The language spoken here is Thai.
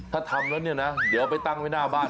ถ้าทำแล้วเนี่ยนะเดี๋ยวไปตั้งไว้หน้าบ้าน